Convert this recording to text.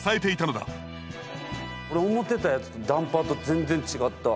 俺思ってたやつとダンパーと全然違った。